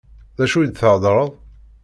D acu i d-theddṛeḍ?